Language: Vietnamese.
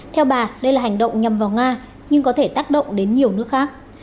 theo bà đây là hành động nhằm vào nga nhưng có thể tác động đến nhiều nước khác